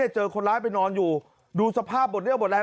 เจอคนร้ายไปนอนอยู่ดูสภาพบทเรื่องบทแล้ว